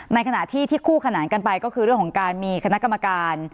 ในขณะที่ที่คู่ขนานกันไปก็คือเรื่องของการมีคณะกรรมการ